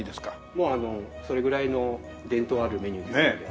もうそれぐらいの伝統あるメニューですので。